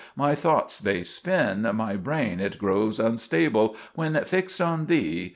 My thoughts they spin; my brain it grows unstable When fixed on Thee.